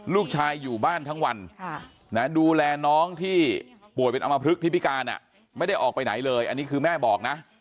ลูกชายอยู่บ้านทั้งวันดูแลน้องที่ป่วยเป็นอมพลึกที่พิการไม่ได้ออกไปไหนเลยอันนี้คือแม่บอกนะ